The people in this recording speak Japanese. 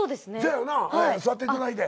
座っていただいて。